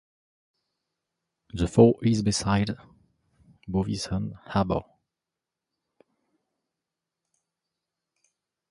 The fort is beside Bovisand harbour.